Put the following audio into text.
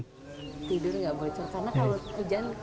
tidur nggak bocor karena kalau hujan